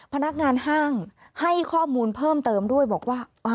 พนักงานห้างให้ข้อมูลเพิ่มเติมด้วยบอกว่า